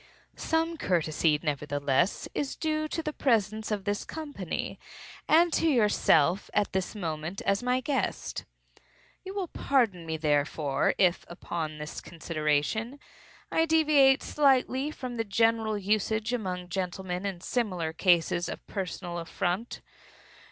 Some courtesy, nevertheless, is due to the presence of this company, and to yourself, at this moment, as my guest. You will pardon me, therefore, if, upon this consideration, I deviate slightly from the general usage among gentlemen in similar cases of personal affront.